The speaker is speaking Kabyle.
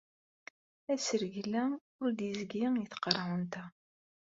Asergel-a ur d-yezgi i tqerɛunt-a.